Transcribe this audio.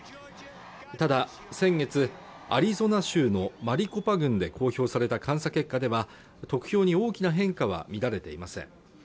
ただ先月アリゾナ州のマリコパ郡で公表された監査結果では得票に大きな変化は見られていません